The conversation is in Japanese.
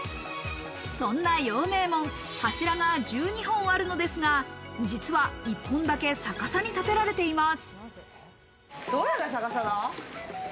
そんな陽明門、柱が１２本あるのですが、実は１本だけ逆さに建てられています。